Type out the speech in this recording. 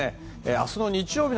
明日の日曜日